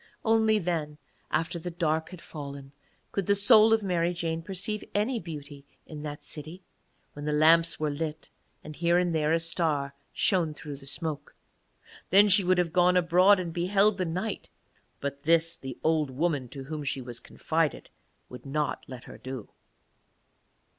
Only then, after the dark had fallen, could the soul of Mary Jane perceive any beauty in that city, when the lamps were lit and here and there a star shone through the smoke. Then she would have gone abroad and beheld the night, but this the old woman to whom she was confided would not let her do.